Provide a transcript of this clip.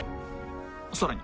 ［さらに］